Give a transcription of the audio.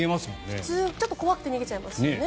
普通、ちょっと怖くて逃げちゃいますよね。